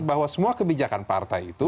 bahwa semua kebijakan partai itu